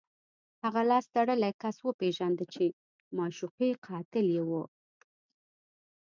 هغه لاس تړلی کس وپېژنده چې د معشوقې قاتل یې و